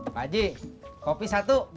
pak ji kopi satu